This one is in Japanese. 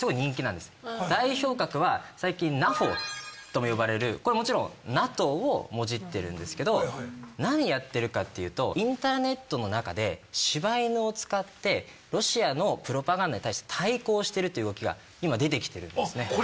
代表格は最近ＮＡＦＯとも呼ばれるこれもちろんＮＡＴＯをもじってるんですけど何やってるかっていうとインターネットの中で柴犬を使ってロシアのプロパガンダに対して対抗してるという動きが今出てきてるんですね。